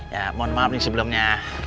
ya mohon maaf nih sebelumnya